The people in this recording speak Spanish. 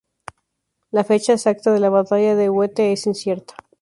La fecha exacta de la batalla de Huete es incierta.